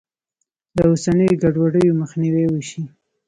له اوسنیو ګډوډیو مخنیوی وشي.